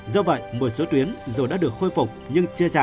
do vậy một số tuyến dù đã được khôi phục nhưng chưa chạy